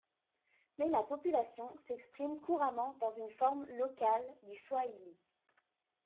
Mais la population s'exprime couramment dans une forme locale du swahili.